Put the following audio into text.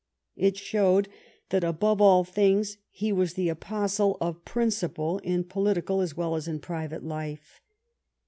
It showed that, above all things, he was the apostle of principle in political as well as in private life.